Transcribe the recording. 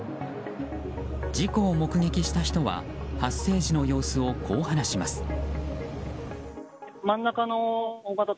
事故を目撃した人は発生時の様子をこう話します。